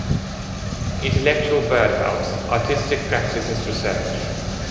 "Intellectual Birdhouse: Artistic Practice as Research".